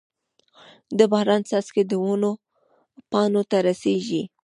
د باران څاڅکي د ونو پاڼو ته رسيږي.